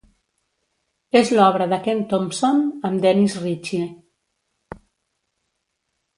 És l'obra de Ken Thompson amb Dennis Ritchie.